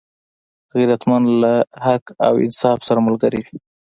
غیرتمند له حق او انصاف سره ملګری وي